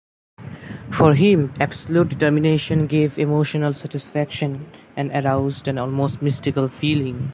For him absolute determination gave emotional satisfaction and aroused an almost mystical feeling.